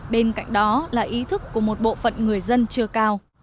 bên cạnh đó là ý thức của một bộ phận người dân chưa cao